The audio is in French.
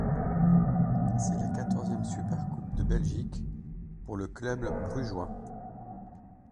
C'est la quatorzième Supercoupe de Belgique pour le club brugeois.